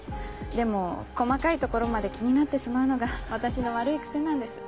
でも細かいところまで気になってしまうのが私の悪い癖なんです。